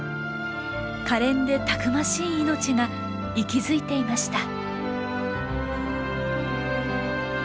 可憐でたくましい命が息づいていました。